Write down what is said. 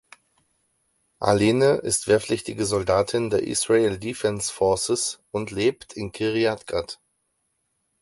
Alene ist wehrpflichtige Soldatin der Israel Defence Forces und lebt in Kiryat Gat.